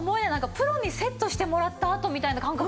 プロにセットしてもらったあとみたいな感覚ですよね。